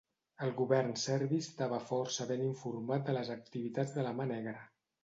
El govern serbi estava força ben informat de les activitats de la Mà Negra.